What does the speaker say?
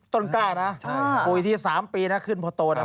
ต้นกล้านะปุ๋ยที่๓ปีนะขึ้นพอโตนะ